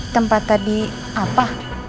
tempat tadi apa